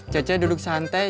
cece duduk santai